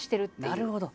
なるほど。